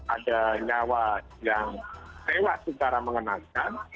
ada nyawa yang tewas secara mengenaskan